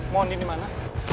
mau undi dimana